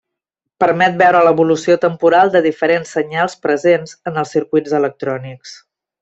Permet veure l'evolució temporal de diferents senyals presents en els circuits electrònics.